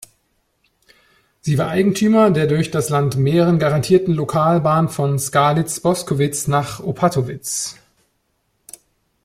Sie war Eigentümer der durch das Land Mähren garantierten Lokalbahn von Skalitz-Boskowitz nach Opatowitz.